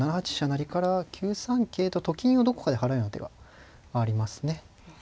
成から９三桂とと金をどこかで払うような手がありますね。